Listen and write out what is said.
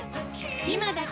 今だけ！